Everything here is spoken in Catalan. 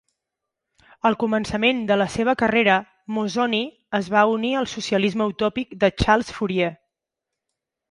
Al començament de la seva carrera, Mozzoni es va unir al socialisme utòpic de Charles Fourier.